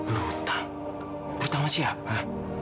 berhutang berhutang sama siapa